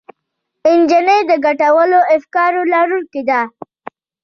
نجلۍ د ګټورو افکارو لرونکې ده.